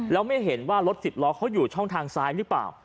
แล้วไม่เห็นว่ารถสิบล้อเขาอยู่ช่องทางซ้ายหรือเปล่า